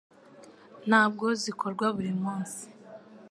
Ntabwo zikorwa buri munsi